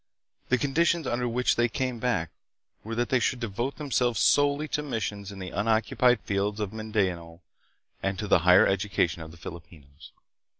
The conditions under which they came back were that they should devote themselves solely to missions in the unoccupied fields of Mindanao, and to the higher education of the Filipinos.